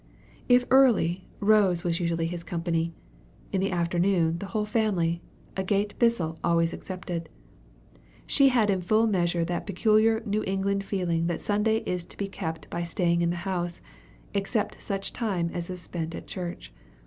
If early, Rose was usually his company; in the afternoon the whole family, Agate Bissell always excepted. She had in full measure that peculiar New England feeling that Sunday is to be kept by staying in the house, except such time as is spent at church.